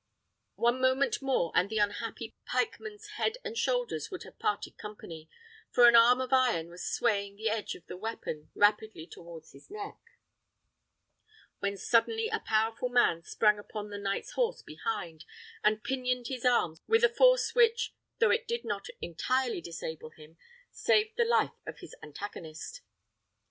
One moment more and the unhappy pikeman's head and shoulders would have parted company, for an arm of iron was swaying the edge of the weapon rapidly towards his neck, when suddenly a powerful man sprang upon the knight's horse behind, and pinioned his arms with a force which, though it did not entirely disable him, saved the life of his antagonist.